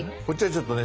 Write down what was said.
ちょっとね